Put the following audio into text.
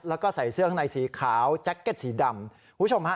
แล้วก็ใส่เสื้อข้างในสีขาวแจ็คเก็ตสีดำคุณผู้ชมฮะ